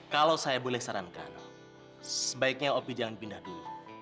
kalau saya boleh sarankan sebaiknya opi jangan pindah dulu